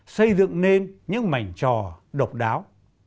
xây dựng nên những mảnh trò độc đáo